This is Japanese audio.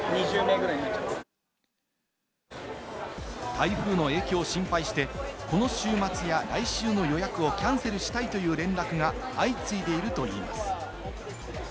台風の影響を心配して、この週末や来週の予約をキャンセルしたいという連絡が相次いでいるといいます。